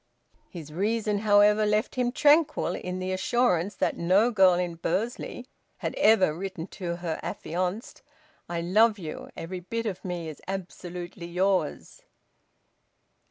His reason, however, left him tranquil in the assurance that no girl in Bursley had ever written to her affianced: "I love you. Every bit of me is absolutely yours."